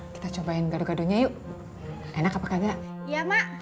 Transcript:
kita cobain gaduh gaduhnya yuk enak apa enggak ya mak